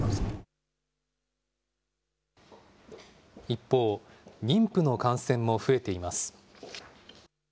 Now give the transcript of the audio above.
一方、妊婦の感染も増えています。